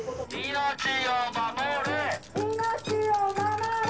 命を守れ！